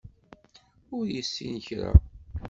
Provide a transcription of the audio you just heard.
Ur yessin kra.